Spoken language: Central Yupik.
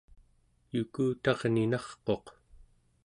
yukutarninarquq